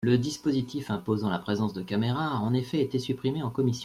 Le dispositif imposant la présence de caméras a en effet été supprimé en commission.